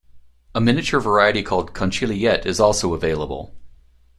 A miniature variety called "conchigliette" is also available.